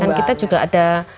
dan kita juga ada